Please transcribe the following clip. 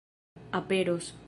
aperos